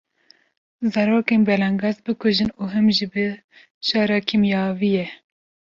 zarokên belengaz bikujin û him jî bi jara kîmyewiyê.